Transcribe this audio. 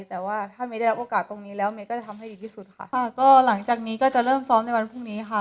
แต่ว่าถ้าเมย์ได้รับโอกาสตรงนี้แล้วเมย์ก็จะทำให้ดีที่สุดค่ะค่ะก็หลังจากนี้ก็จะเริ่มซ้อมในวันพรุ่งนี้ค่ะ